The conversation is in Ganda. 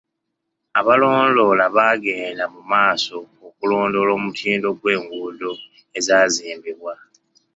Abalondoola baagenda mu maaso okulondoola omutindo gw'enguudo ezaazimbibwa.